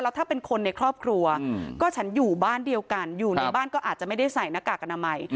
ถ้าเป็นคนในครอบครัวก็ฉันอยู่บ้านเดียวกันอยู่ในบ้านก็อาจจะไม่ได้ใส่หน้ากากอนามัย